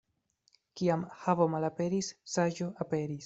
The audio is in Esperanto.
Kiam havo malaperis, saĝo aperis.